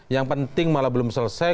yang penting malah belum selesai